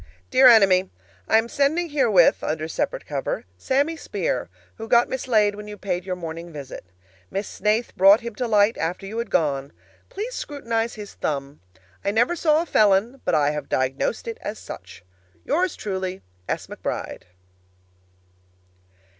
Dear Enemy: I am sending herewith (under separate cover) Sammy Speir, who got mislaid when you paid your morning visit. Miss Snaith brought him to light after you had gone. Please scrutinize his thumb. I never saw a felon, but I have diagnosed it as such. Yours truly, S. McBRIDE.